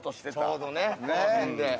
ちょうどねこの辺で。